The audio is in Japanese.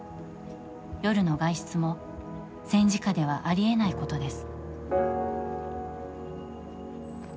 夜の外出も、戦時下ではありえないことです。